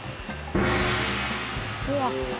うわっ。